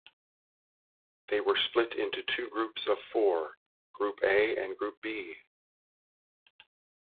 They were split into two groups of four: Group A and Group B.